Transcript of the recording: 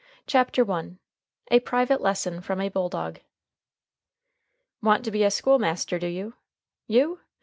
CHAPTER I A PRIVATE LESSON FROM A BULLDOG. "Want to be a school master, do you? You?